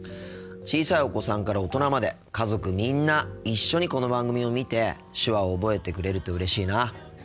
小さいお子さんから大人まで家族みんな一緒にこの番組を見て手話を覚えてくれるとうれしいな。